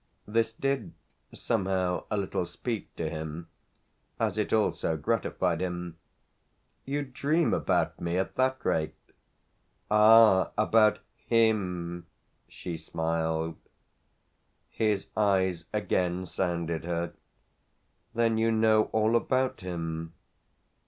This did somehow a little speak to him, as it also gratified him. "You dream about me at that rate?" "Ah about him!" she smiled. His eyes again sounded her. "Then you know all about him."